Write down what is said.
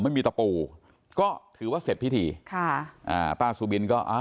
ตะปูก็ถือว่าเสร็จพิธีค่ะอ่าป้าสุบินก็อ่า